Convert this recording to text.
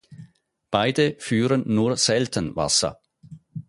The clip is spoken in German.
Beide führen nur selten Wasser.